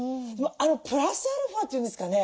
あのプラスアルファというんですかね。